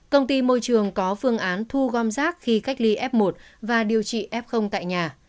công ty môi trường có phương án thu gom rác khi cách ly f một và điều trị f tại nhà